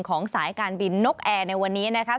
สายการบินนกแอร์ในวันนี้นะคะ